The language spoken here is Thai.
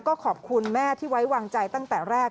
ก็ขอบคุณแม่ที่ไว้วางใจตั้งแต่แรก